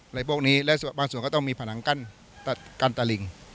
พวกนี้และบางส่วนก็ต้องมีผนังกั้นตะลิง